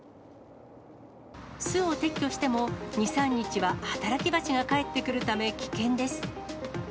巣を撤去しても、２、３日は働き蜂が帰ってくるため、危険です。